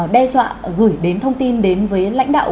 đe dọa gửi đến thông tin đến với lãnh đạo